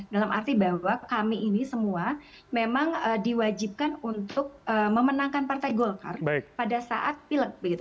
dalam arti bahwa kami ini semua memang diwajibkan untuk memenangkan partai golkar pada saat pilek